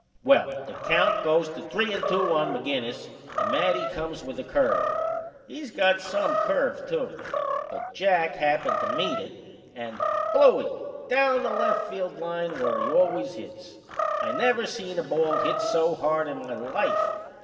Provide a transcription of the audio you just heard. Well, the count goes to three and two on McInnes and Matty comes with a curve he's got some curve too; but Jack happened to meet it and Blooie! Down the left foul line where he always hits! I never seen a ball hit so hard in my life.